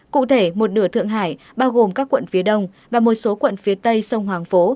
cụ thể một nửa thượng hải bao gồm các quận phía đông và một số quận phía tây sông hoàng phố